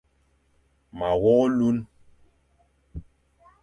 Ma wogh olune.